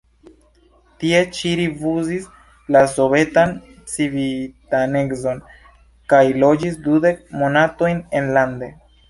Tie ŝi rifuzis la sovetan civitanecon kaj loĝis dudek monatojn enlande.